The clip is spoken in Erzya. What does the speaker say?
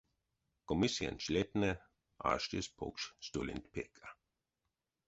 Комиссиянь члентнэ аштесть покш столенть перька.